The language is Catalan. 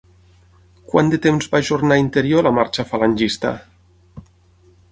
Quant de temps va ajornar interior la marxa falangista?